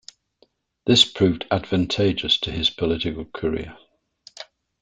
This proved advantageous to his political career.